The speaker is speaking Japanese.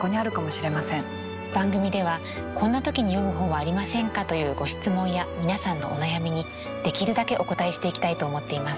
番組ではこんな時に読む本はありませんか？というご質問や皆さんのお悩みにできるだけおこたえしていきたいと思っています。